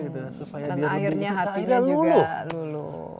dan airnya hatinya juga lulu